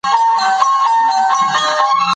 د ملکیار کلمات د بابا هوتک له شعر سره توپیر لري.